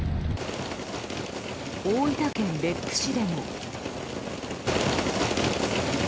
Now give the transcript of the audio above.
大分県別府市でも。